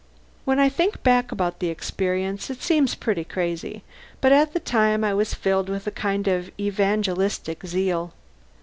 When I think back about the experience, it seems pretty crazy, but at the time I was filled with a kind of evangelistic zeal.